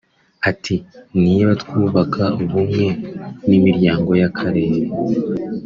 Ati “…Niba twubaka ubumwe n’imiryango y’akarere